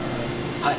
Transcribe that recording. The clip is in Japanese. はい。